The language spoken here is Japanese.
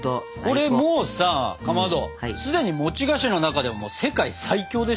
これもうさかまど既に菓子の中でも世界最強でしょ。